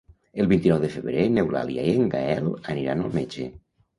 El vint-i-nou de febrer n'Eulàlia i en Gaël aniran al metge.